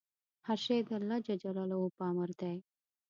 هر شی د الله په امر دی.